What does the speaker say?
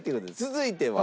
続いては。